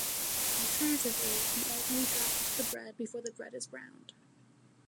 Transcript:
Alternatively, the egg may be dropped into the bread before the bread is browned.